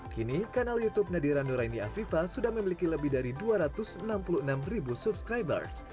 kini kanal youtube nadira nuraini afifa sudah memiliki lebih dari dua ratus enam puluh enam ribu subscribers